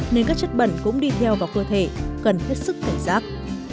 nên các chất bẩn cũng đi theo vào cơ thể cần hết sức cảnh giác